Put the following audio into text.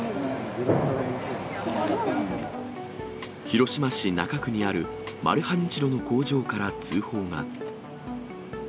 広島市中区にあるマルハニチロの工場から通報が。